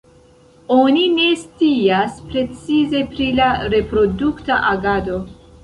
Oni ne scias precize pri la reprodukta agado.